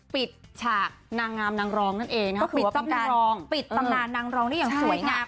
ปิดฉากนางงามนางรองนั่นเองก็คือว่าเป็นการปิดตำนานนางรองได้อย่างสวยงาม